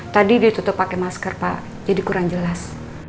tadi dia tutup pakai masker pak jadi kurang jelas